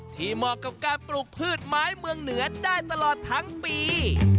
เหมาะกับการปลูกพืชไม้เมืองเหนือได้ตลอดทั้งปี